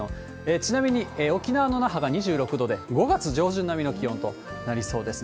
ちなみに沖縄の那覇が２６度で、５月上旬並みの気温となりそうですね。